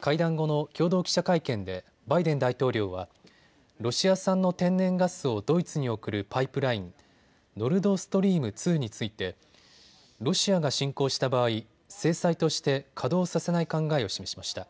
会談後の共同記者会見でバイデン大統領はロシア産の天然ガスをドイツに送るパイプライン、ノルドストリーム２についてロシアが侵攻した場合、制裁として稼働させない考えを示しました。